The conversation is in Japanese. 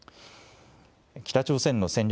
北朝鮮の戦略